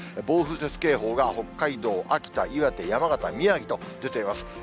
暴風雪警報が北海道、秋田、岩手、山形、宮城と、出ています。